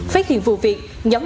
phát hiện vụ việc nhóm công nhân